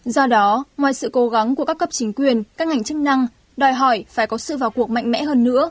do đó ngoài sự cố gắng của các cấp chính quyền các ngành chức năng đòi hỏi phải có sự vào cuộc mạnh mẽ hơn nữa